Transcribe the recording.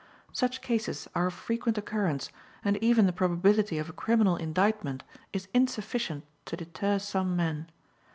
Such cases are of frequent occurrence, and even the probability of a criminal indictment is insufficient to deter some men.